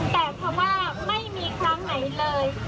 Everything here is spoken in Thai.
แต่เพราะว่าไม่มีครั้งไหนเลย